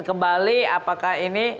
kembali apakah ini